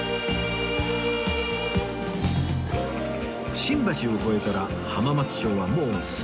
新橋を越えたら浜松町はもうすぐ